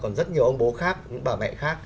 còn rất nhiều ông bố khác những bà mẹ khác